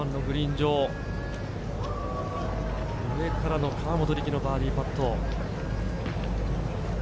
上からの河本力のバーディーパット。